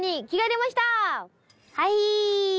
はい！